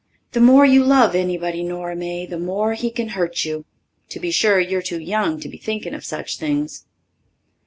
The more you love anybody, Nora May, the more he can hurt you. To be sure, you're too young to be thinking of such things.